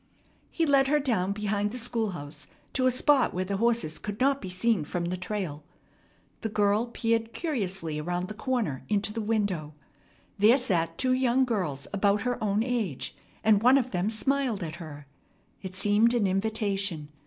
He led her down behind the schoolhouse to a spot where the horses could not be seen from the trail. The girl peered curiously around the corner into the window. There sat two young girls about her own age, and one of them smiled at her. It seemed an invitation.